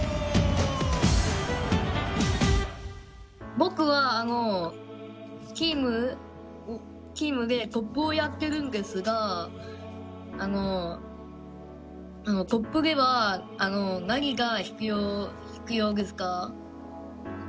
僕はチームでトップをやってるんですがトップでは何が必要ですか？